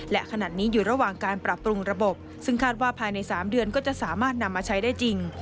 และขณะนี้อยู่ระหว่างการปรับปรุงระบบซึ่งคาดว่าภายใน๓เดือนก็จะสามารถนำมาใช้ได้จริง